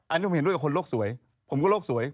อันนี้ผมเห็นด้วยกับคนโลกสวยผมก็โลกสวย